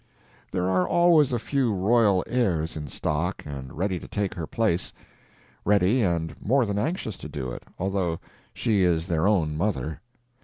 There are always a few royal heirs in stock and ready to take her place—ready and more than anxious to do it, although she is their own mother.